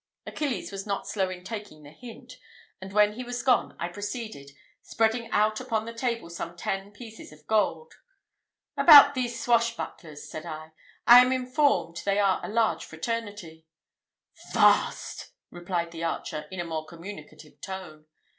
Achilles was not slow in taking the hint; and when he was gone, I proceeded, spreading out upon the table some ten pieces of gold. "About these swash bucklers," said I, "I am informed they are a large fraternity." "Vast!" replied the archer, in a more communicative tone.